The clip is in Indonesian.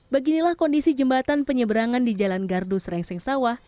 beginilah kondisi jembatan penyeberangan di jalan gardu srengseng sawah